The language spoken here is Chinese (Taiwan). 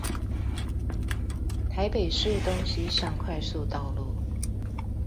台北市東西向快速道路